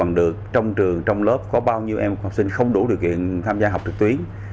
làm được trong trường trong lớp có bao nhiêu em học sinh không đủ điều kiện tham gia học trực tuyến